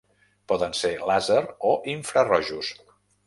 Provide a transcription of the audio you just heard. Poden ser làser o infrarrojos.